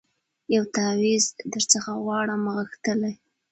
یو تعویذ درڅخه غواړمه غښتلی